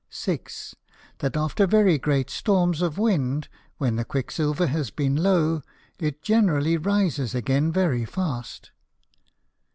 6. That after very great Storms of Wind, when the Quicksilver has been low, it generally rises again very fast.